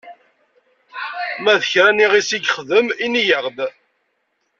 Ma d kra n yiɣisi i yexdem, ini-aɣ-d!